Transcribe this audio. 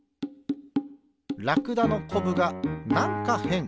ラクダのこぶがなんかへん。